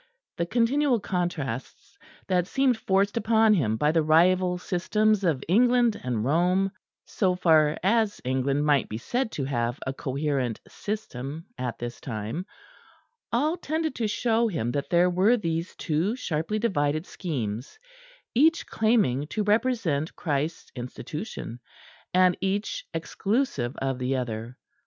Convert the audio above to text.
The continual contrasts that seemed forced upon him by the rival systems of England and Rome (so far as England might be said to have a coherent system at this time), all tended to show him that there were these two sharply divided schemes, each claiming to represent Christ's Institution, and each exclusive of the other.